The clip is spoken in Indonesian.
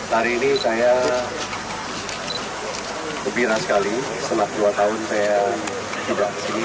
hari ini saya lebih rata sekali setelah dua tahun saya diberi kesini